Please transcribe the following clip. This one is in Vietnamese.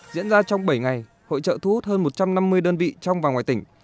diễn ra trong bảy ngày hội trợ thu hút hơn một trăm năm mươi đơn vị trong và ngoài tỉnh